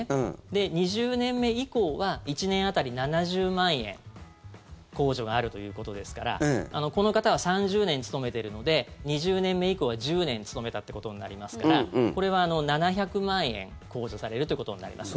で、２０年目以降は１年当たり７０万円控除があるということですからこの方は３０年勤めてるので２０年目以降は１０年勤めたということになりますからこれは７００万円控除されるということになります。